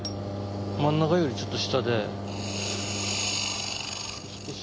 真ん中よりちょっと下で少し。